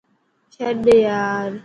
ڇڏ يار.